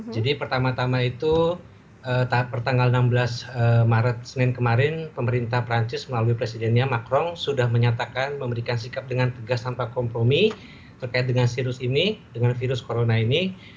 jadi pertama tama itu tahap pertanggal enam belas maret senin kemarin pemerintah perancis melalui presidennya macron sudah menyatakan memberikan sikap dengan tegas tanpa kompromi terkait dengan virus ini dengan virus corona ini